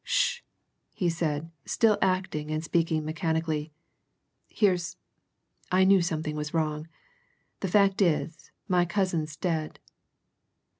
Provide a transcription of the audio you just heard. "Sh!" he said, still acting and speaking mechanically. "Here's I knew something was wrong. The fact is, my cousin's dead!"